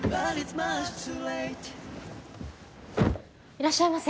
いらっしゃいませ。